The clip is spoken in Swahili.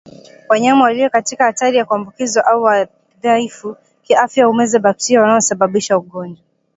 Wanyama walio katika hatari ya kuambukizwa au wadhaifu kiafya humeza bakteria wanaosababisha ugonjwa